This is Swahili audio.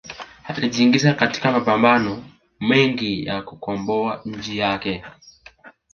alijiingiza katika mapambano mengi ya kukomboa nchi yake